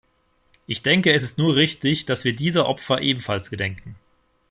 Ich denke es ist nur richtig, dass wir dieser Opfer ebenfalls gedenken.